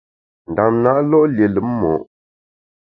Ndam na lo’ lié lùm mo’.